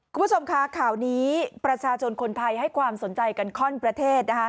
คุณผู้ชมคะข่าวนี้ประชาชนคนไทยให้ความสนใจกันข้อนประเทศนะคะ